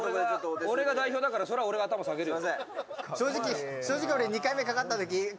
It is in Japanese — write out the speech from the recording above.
俺が代表だから、俺が頭下げるよ。